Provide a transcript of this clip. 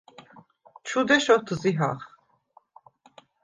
ჩუ დეშ ოთზიჰახ.